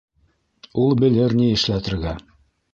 Ул белер ни эшләтергә!